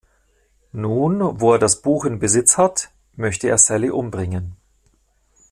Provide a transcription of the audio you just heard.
Nun, wo er das Buch in Besitz hat, möchte er Sally umbringen.